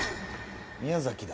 宮崎だ。